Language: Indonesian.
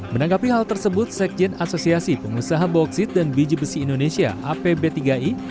menanggapi hal tersebut sekjen asosiasi pengusaha bauksit dan biji besi indonesia apb tiga i